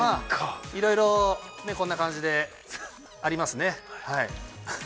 いろいろこんな感じでありますね。